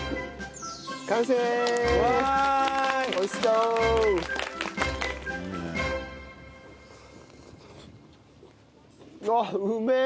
うわっうめえ。